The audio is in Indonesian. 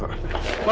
pak pak pak